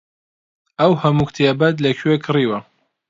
ئەو هەموو کتێبەت لەکوێ کڕیوە؟